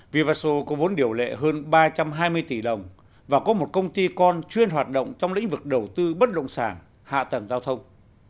vivaso có vốn điều lệ hơn ba trăm hai mươi tỷ đồng và có một công ty con chuyên hoạt động trong lĩnh vực đầu tư bất động sản hạ tầng giao thông